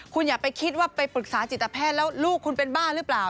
คุณอย่าไปคิดว่าไปปรึกษาจิตแพทย์แล้วลูกคุณเป็นบ้าหรือเปล่า